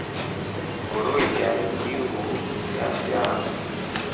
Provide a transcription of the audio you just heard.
Mburu iya njiiu yafyaa.